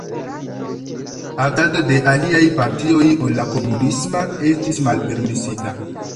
Agado de aliaj partioj ol la komunisma estis malpermesita.